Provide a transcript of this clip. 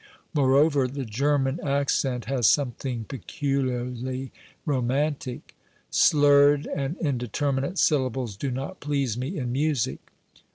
Moreover, the German accent has something pecu liarly romantic. Slurred and indeterminate syllables do not please me in music.